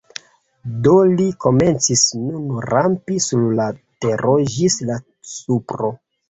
Do li komencis nun rampi sur la tero ĝis la supro.